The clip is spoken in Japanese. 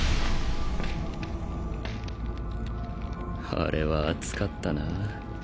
あれは熱かったなぁ。